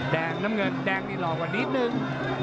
แดงน้ำเงินนี่หลอกกว่านิดนึง